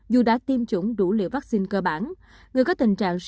dù đã tiêm chủng đủ liều vaccine cơ bản